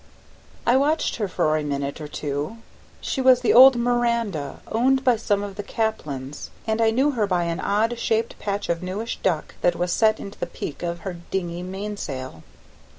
I watched her for a minute or two; she was the old Miranda, owned by some of the Caplins, and I knew her by an odd shaped patch of newish duck that was set into the peak of her dingy mainsail.